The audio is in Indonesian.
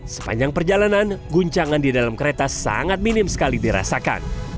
sepanjang perjalanan guncangan di dalam kereta sangat minim sekali dirasakan